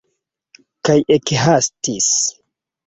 Kaj ekhastis.